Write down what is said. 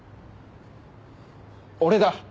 俺だ！